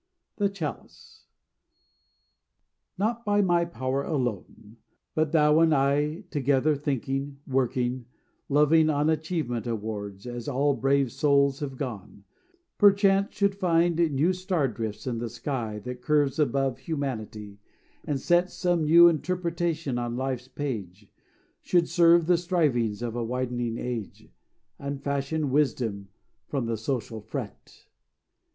THE CHALICE Not by my power alone, but thou and I Together thinking, working, loving on Achievement wards, as all brave souls have gone, Perchance should find new star drifts in the sky That curves above humanity, and set Some new interpretation on life's page; Should serve the strivings of a widening age, And fashion wisdom from the social fret.